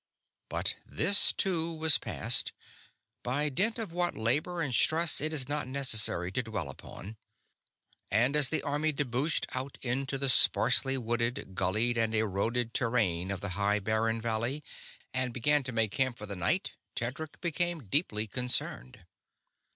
But this, too, was passed by dint of what labor and stress it is not necessary to dwell upon and as the army debouched out onto the sparsely wooded, gullied and eroded terrain of the high barren valley and began to make camp for the night. Tedric became deeply concerned.